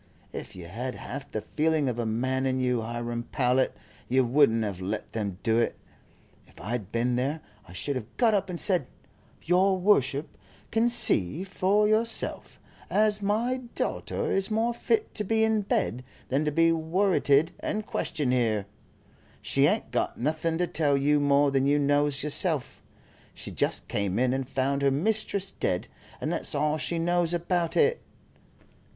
If you had half the feeling of a man in you, Hiram Powlett, you wouldn't have let them do it. If I had been there I should have got up and said: 'Your worship can see for yourself as my daughter is more fit to be in bed than to be worrited and questioned here. She ain't got nothing to tell you more than you knows yourself. She just came in and found her mistress dead, and that's all she knows about it.'"